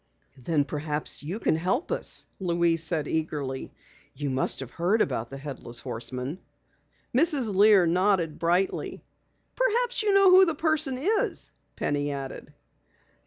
"Then perhaps you can help us," Louise said eagerly. "You must have heard about the Headless Horseman." Mrs. Lear nodded brightly. "Perhaps you know who the person is," Penny added.